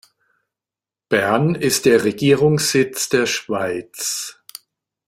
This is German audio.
Bern ist der Regierungssitz der Schweiz.